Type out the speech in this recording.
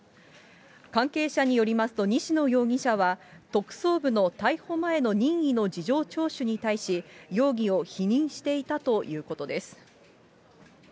関係者によりますと、西野容疑者は特捜部の逮捕前の任意の事情聴取に対し、容疑を否認していたということです。